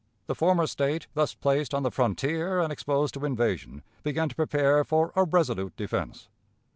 The former State, thus placed on the frontier and exposed to invasion, began to prepare for a resolute defense.